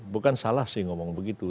bukan salah sih ngomong begitu